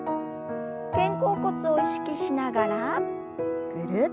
肩甲骨を意識しながらぐるっと。